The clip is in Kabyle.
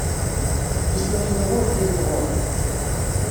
Tisura-inu ur llint ɣur-i.